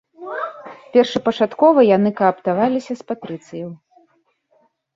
Першапачаткова яны кааптаваліся з патрыцыяў.